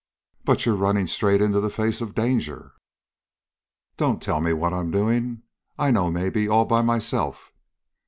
"But you're running straight into the face of danger!" "Don't tell me what I'm doing. I know maybe, all by myself!"